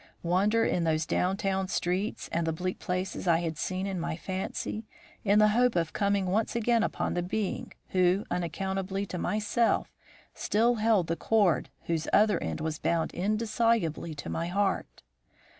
Wander those down town streets and the bleak places I had seen in my fancy, in the hope of coming once again upon the being who, unaccountably to myself, still held the cord whose other end was bound indissolubly to my heart.